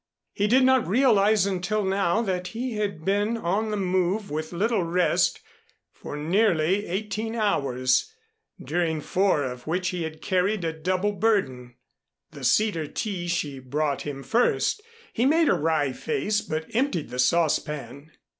He did not realize until now that he had been on the move with little rest for nearly eighteen hours, during four of which he had carried a double burden. The cedar tea she brought him first. He made a wry face but emptied the saucepan.